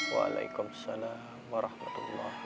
wa'alaikumussalam warahmatullahi wabarakatuh